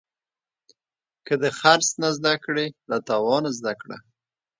که د خرڅ نه زده کړې، له تاوانه زده کړه.